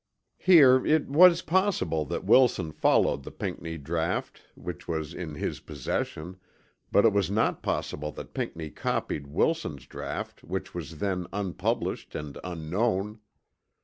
Here it was possible that Wilson followed the Pinckney draught, which was in his possession, but it was not possible that Pinckney copied Wilson's draught which was then unpublished and unknown.